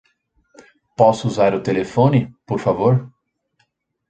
Posso usar o telefone, por favor?